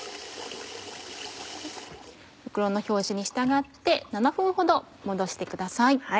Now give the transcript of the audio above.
袋の表示に従って７分ほどもどしてください。